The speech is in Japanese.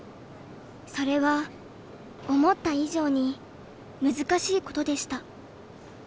それは思った以上に難しいことでした。